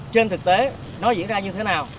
trên thực tế nó diễn ra như thế nào